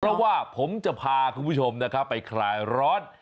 เพราะว่าผมจะพาคุณผู้ชมนะครับไปคลายร้อน